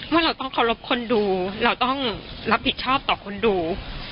ว่าเราต้องรับผิดชอบต่อคนดู